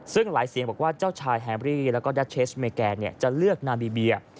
ซึ่งหลายเสียงบอกว่าเจ้าชายแฮมรี่แล้วก็ดัชเชสเมแกนจะเลือกนาบีเบีย